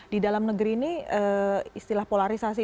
di dalam negeri ini istilah polarisasi